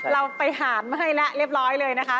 เราไปหามาให้แล้วเรียบร้อยเลยนะคะ